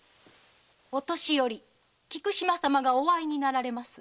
御年寄・菊島様がお会いになられます。